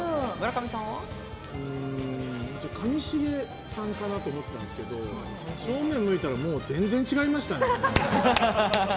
上重さんかなって思ったんですけど、正面向いたら、全然違いましたね。